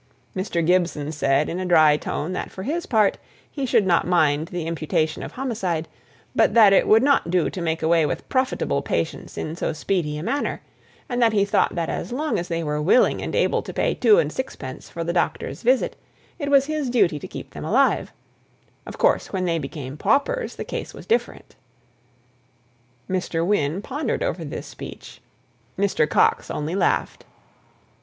Mr. Gibson said in a dry tone, that for his part he should not mind the imputation of homicide, but that it would not do to make away with profitable patients in so speedy a manner; and that he thought that as long as they were willing and able to pay two and sixpence for the doctor's visit, it was his duty to keep them alive; of course, when they became paupers the case was different. Mr. Wynne pondered over this speech; Mr. Coxe only laughed.